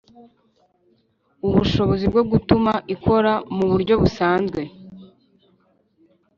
ubushobozi bwo gutuma ikora mu buryo busanzwe